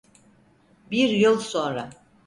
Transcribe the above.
Bir yıl sonra.